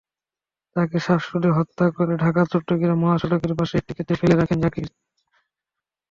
তাঁকে শ্বাসরোধে হত্যা করে ঢাকা-চট্টগ্রাম মহাসড়কের পাশে একটি খেতে ফেলে রাখেন জাকির।